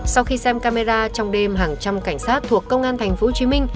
sau khi xem camera trong đêm hàng trăm cảnh sát thuộc công an tp hcm